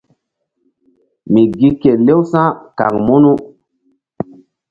Mi gi kelew sa̧ kaŋ munu.